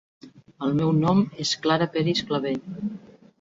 El meu nom és Clara Peris Clavé.